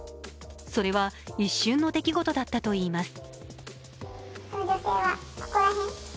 それは、一瞬の出来事だったといいます。